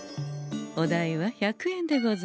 お代は１００円でござんす。